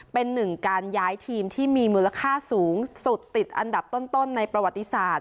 เป็นหนึ่งการย้ายทีมที่มีมูลค่าสูงสุดติดอันดับต้นในประวัติศาสตร์